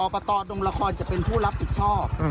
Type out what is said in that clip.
ตดงละครจะเป็นผู้รับผิดชอบ